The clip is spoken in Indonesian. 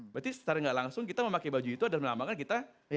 berarti secara gak langsung kita memakai baju itu adalah melambangkan kita